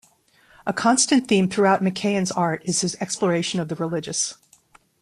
A constant theme throughout McCahon's art is his exploration of the religious.